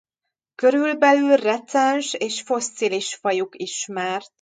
Körülbelül recens és fosszilis fajuk ismert.